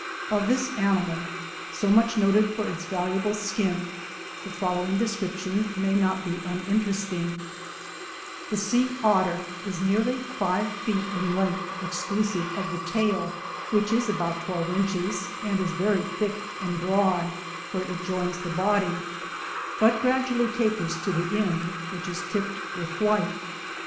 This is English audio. Of this animal, so mifch noted for its valuable ^kin, the following description may not be unin teresting : The sea otter is nearly five feet iq length, exclusive of the tail, which is about twelve inches, and is very thick and broad where it joins the body, but gradually tapers to (he end, which is tipped with white.